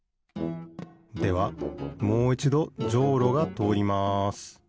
ではもういちどジョウロがとおります